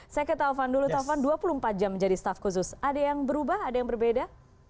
saya ke taufan dulu taufan dua puluh empat jam menjadi staff khusus ada yang berubah ada yang berbeda